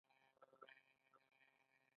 دا ځل بارنس په رښتيا د ايډېسن کاروباري شريک و.